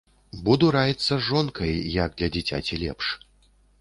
Буду раіцца з жонкай, як для дзіцяці лепш.